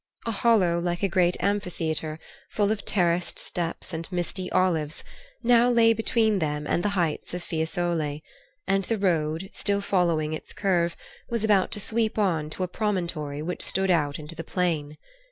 A hollow like a great amphitheatre, full of terraced steps and misty olives, now lay between them and the heights of Fiesole, and the road, still following its curve, was about to sweep on to a promontory which stood out in the plain.